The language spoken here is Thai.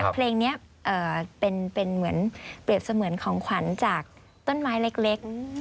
เพลงนี้เป็นเหมือนเปรียบเสมือนของขวัญจากต้นไม้เล็ก